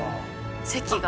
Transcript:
席が。